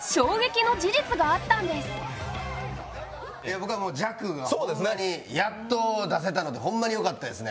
僕は弱がホンマにやっと出せたのでホンマによかったですね。